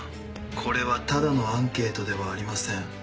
これはただのアンケートではありません。